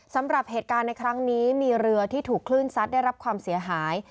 สำหรับเหตุการณ์ในครั้งนี้มีเรือที่ถูกคลื่นซัดได้รับความเสียหาย